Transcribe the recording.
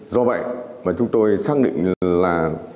do vậy chúng tôi xác định là